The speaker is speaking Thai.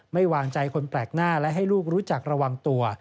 วางใจคนแปลกหน้าและให้ลูกรู้จักระวังตัว